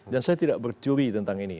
dan saya tidak berteori tentang ini